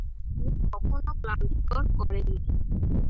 তিনি কখনও ক্লান্তিকর করেন নি"।